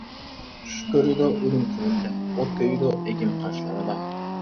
چۈش كۆرىدۇ ئۆلۈم تېنىمدە، ئوت كۆيىدۇ ئەگىم قاشلاردا.